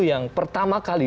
yang pertama kali